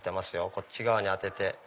こっち側に当てて。